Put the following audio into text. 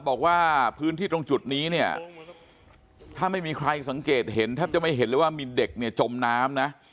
บอกว่าพื้นที่ตรงจุดนี้เนี่ยถ้าไม่มีใครสังเกตเห็นแทบจะไม่เห็นเลยว่ามีเด็กเนี่ยจมน้ำนะ